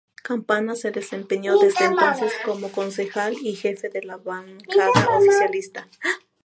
Campana se desempeñó desde entonces como concejal y jefe de la bancada oficialista.